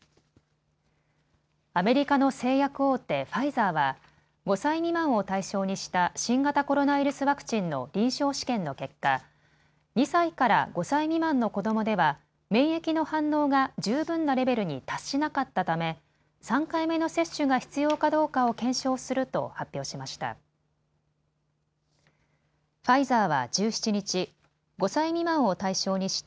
アメリカの製薬大手、ファイザーは５歳未満を対象にした新型コロナウイルスワクチンの臨床試験の結果、２歳から５歳未満の子どもでは免疫の反応が十分なレベルに達しなかったため３回目の接種が必要かどうかを検証すると発表しました。